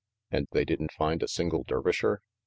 " "And they didn't find a single Dervisher?"